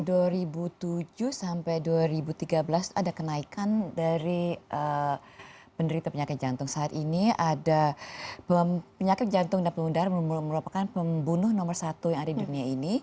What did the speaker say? dari dua ribu tujuh sampai dua ribu tiga belas ada kenaikan dari penderita penyakit jantung saat ini ada bahwa penyakit jantung dan pelundar merupakan pembunuh nomor satu yang ada di dunia ini